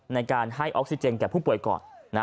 ในการให้ออกซิเจนแก่ผู้ป่วยก่อน